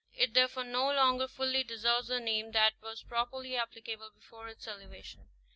It therefore no longer fully deserves the name that was properly applicable before its elevation.